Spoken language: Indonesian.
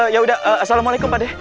yaudah assalamualaikum pak d